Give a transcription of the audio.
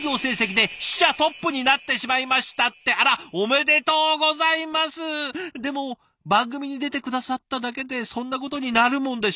でも番組に出て下さっただけでそんなことになるもんでしょうかね？